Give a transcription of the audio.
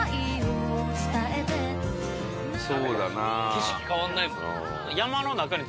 景色変わんないですね。